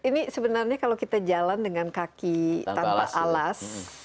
ini sebenarnya kalau kita jalan dengan kaki tanpa alas